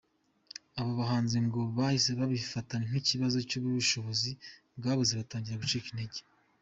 Abo bahanzi ngo bahise babifata nk’ikibazo cy’ubushobozi bwabuze batangira gucika intege.